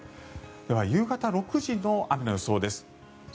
では、夕方６時の雨の予想です。